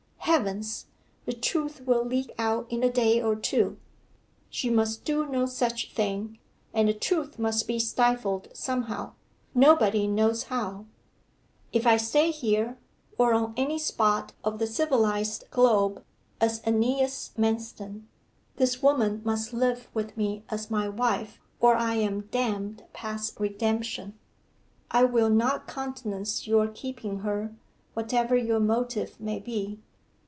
Heavens! the truth will leak out in a day or two!' 'She must do no such thing, and the truth must be stifled somehow nobody knows how. If I stay here, or on any spot of the civilized globe, as AEneas Manston, this woman must live with me as my wife, or I am damned past redemption!' 'I will not countenance your keeping her, whatever your motive may be.